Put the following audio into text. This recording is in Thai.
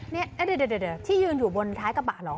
นี่เดี๋ยวที่ยืนอยู่บนท้ายกระบะเหรอ